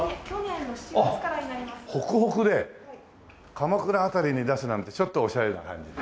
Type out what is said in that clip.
鎌倉辺りに出すなんてちょっとおしゃれな感じで。